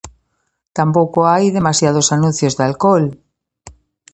Tampouco hai demasiados anuncios de alcohol.